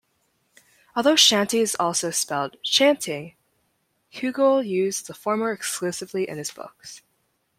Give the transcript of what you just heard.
Although "shanty" is also spelled "chantey", Hugill used the former exclusively in his books.